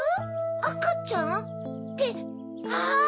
あかちゃん？ってあぁ！